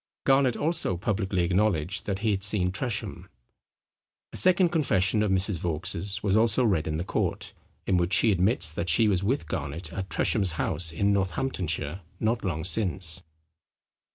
Garnet also publicly acknowledged that he had seen Tresham. A second confession of Mrs Vaux's was also read in the court, in which she admits that she was with Garnet at Tresham's house in Northamptonshire not long since.